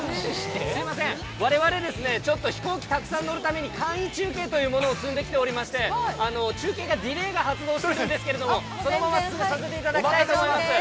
すみません、われわれちょっと飛行機たくさん乗るために簡易中継というものを積んできておりまして、中継がディレイが発動するんですけれども、そのまま進めさせていただきます。